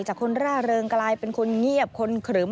คนร่าเริงกลายเป็นคนเงียบคนเขลิม